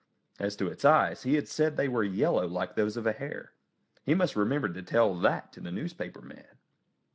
As to its eyes, he had said they were yellow like those of a hare. He must remember to tell that to the newspaper man.